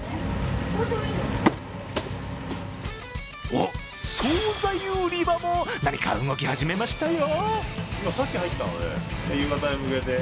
おっ、総菜売り場も何か動き始めましたよ。